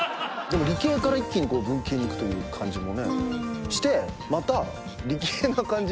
理系から一気に文系に行くという感じもしてまた理系な感じにするんですね。